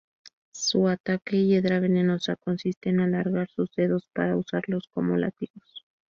Su ataque hiedra venenosa consiste en alargar sus dedos para usarlos como látigos.